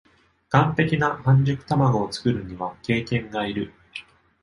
完璧な半熟たまごを作るには経験がいる